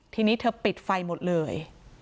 ทีนี้เธอปิดไฟหมดเลย